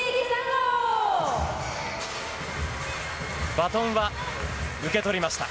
バトンは受け取りました。